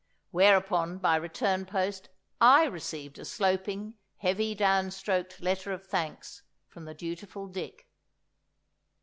Whereupon by return post I received a sloping, heavy downstroked letter of thanks from the dutiful Dick!